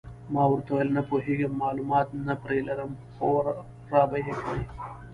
ما ورته وویل: نه پوهېږم، معلومات نه پرې لرم، خو را به یې کړي.